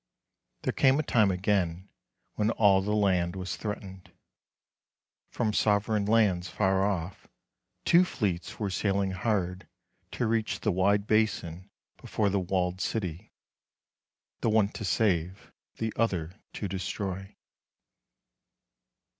There came a time again when all the land was threatened. From sovereign lands far ofT, two fleets were sailing hard to reach the wide basin before the walled city, the one to save, the other to de stroy.